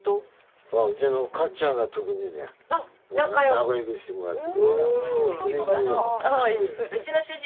仲良くしてもらってるから。